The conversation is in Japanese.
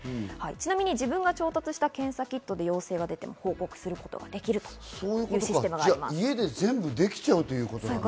ちなみに自分が調達した検査キットで陽性が出ても報告することができるということです。